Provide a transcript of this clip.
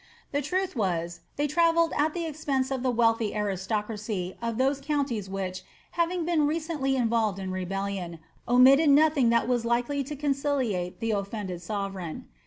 The truth was, they travelled at the expense of the wealthy aristocracy of those counties which, having been recently involved in rebellion, omitted nothing that was likely to conciliate the offended sovereign.